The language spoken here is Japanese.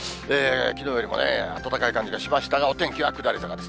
きのうよりも暖かい感じがしましたが、お天気は下り坂です。